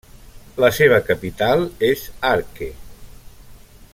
La seva capital és Arque.